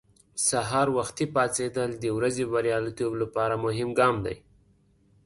سهار وختي پاڅېدل د ورځې بریالیتوب لپاره مهم ګام دی.